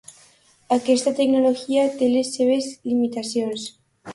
Aquesta tecnologia té les seves limitacions.